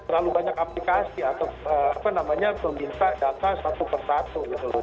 terlalu banyak aplikasi atau apa namanya meminta data satu persatu gitu loh